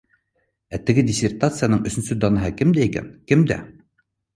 Ә теге диссертацияның өсөнсө данаһы кемдә икән? Кемдә?